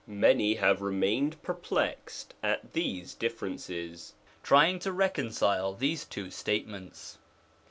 Many have remained perplexed at these differences, trying to reconcile these two statements.